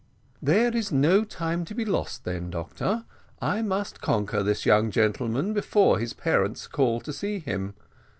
"There is no time to be lost then, doctor. I must conquer this young gentleman before his parents call to see him.